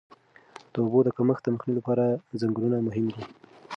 د اوبو د کمښت مخنیوي لپاره ځنګلونه مهم دي.